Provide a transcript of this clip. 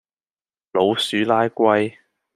老鼠拉龜